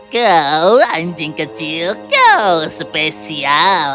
kau anjing kecil kau spesial